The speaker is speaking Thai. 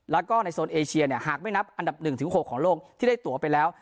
แล้วก็ในโซนเอเชียเนี่ยหากไม่นับอันดับ๑๖ของโลกที่ได้ตัวไปแล้ว